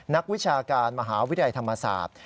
นักวิชาการมหาวิทยาลัยธรรมศาสตร์